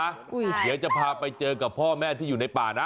เดี๋ยวจะพาไปเจอกับพ่อแม่ที่อยู่ในป่านะ